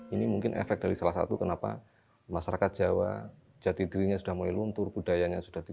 ini mungkin efek dari salah satu kenapa masyarakat jawa jati dirinya sudah mulai luntur budayanya sudah di